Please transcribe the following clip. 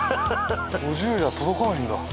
５０届かないんだ。